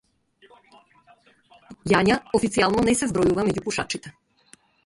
Јања официјално не се вбројува меѓу пушачите.